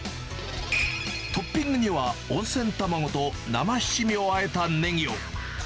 トッピングには、温泉卵と生七味をあえたねぎを。